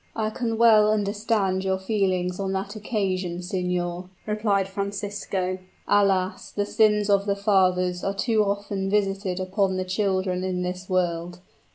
"I can well understand your feelings on that occasion, signor," replied Francisco. "Alas! the sins of the fathers are too often visited upon the children in this world.